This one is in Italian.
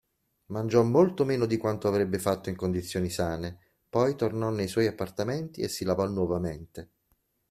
Mangiò molto meno di quanto avrebbe fatto in condizioni sane, poi tornò nei suoi appartamenti e si lavò nuovamente.